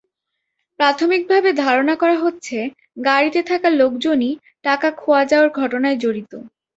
প্রাথমিকভাবে ধারণা করা হচ্ছে গাড়িতে থাকা লোকজনই টাকা খোয়া যাওয়ার ঘটনায় জড়িত।